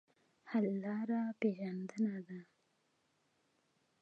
حل لاره پېژندنه ده.